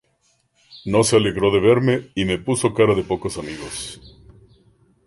No se alegró de verme y me puso cara de pocos amigos